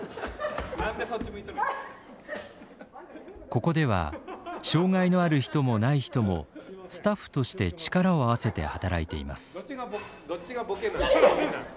ここでは障害のある人もない人もスタッフとして力を合わせて働いています。